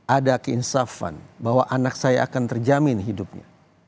ada keinsafan bahwa anak saya akan terjamin hidupnya